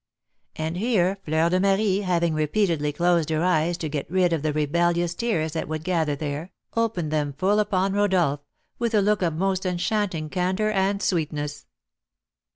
And here Fleur de Marie, having repeatedly closed her eyes to get rid of the rebellious tears that would gather there, opened them full upon Rodolph, with a look of most enchanting candour and sweetness.